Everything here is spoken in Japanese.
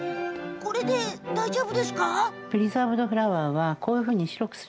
これで大丈夫ですか？